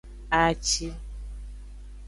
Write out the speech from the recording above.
Aci.